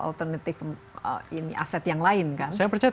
alternatif aset yang lain saya percaya